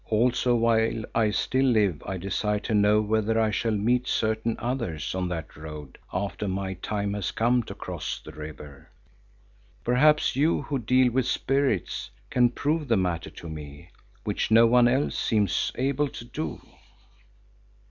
Also while I still live I desire to know whether I shall meet certain others on that road after my time has come to cross the River. Perhaps you who deal with spirits, can prove the matter to me, which no one else seems able to do."